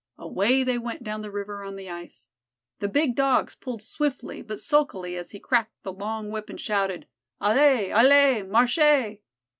Away they went down the river on the ice. The big Dogs pulled swiftly but sulkily as he cracked the long whip and shouted, "Allez, allez, marchez."